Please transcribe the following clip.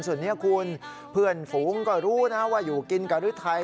ส่วนนี้คุณเพื่อนฝูงก็รู้นะว่าอยู่กินกับฤทัย